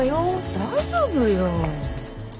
大丈夫よ。